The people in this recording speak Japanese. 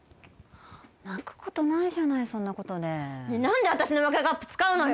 泣くことないじゃないそんなことで何で私のマグカップ使うのよ